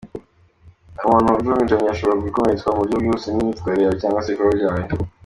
Umuntu ujunjamye ashobora gukomeretswa mu buryo bwihuse n’imyitwarire yawe cyangwa se ibikorwa byawe.